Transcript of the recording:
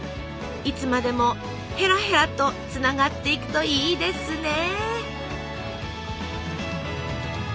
いつまでもへらへらとつながっていくといいですね！